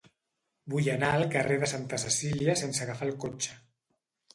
Vull anar al carrer de Santa Cecília sense agafar el cotxe.